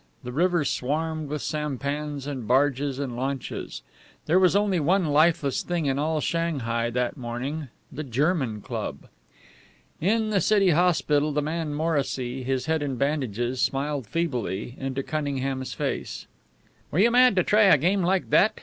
The river swarmed with sampans and barges and launches. There was only one lifeless thing in all Shanghai that morning the German Club. In the city hospital the man Morrissy, his head in bandages, smiled feebly into Cunningham's face. "Were you mad to try a game like that?